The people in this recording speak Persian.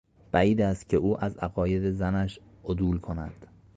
بعید است که او از عقاید زنش عدول کند.